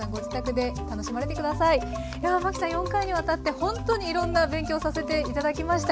ではマキさん４回にわたってほんとにいろんな勉強させて頂きました。